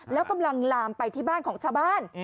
แล้วกำลังลามไปที่บ้านของชาวบ้าน